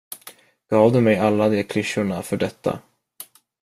Gav du mig alla de klyschorna för detta?